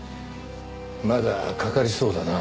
まだかかりそうだな。